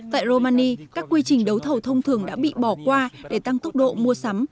tại romani các quy trình đấu thầu thông thường đã bị bỏ qua để tăng tốc độ mua sắm